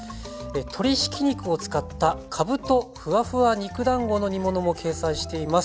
鶏ひき肉を使ったかぶとフワフワ肉だんごの煮物も掲載しています。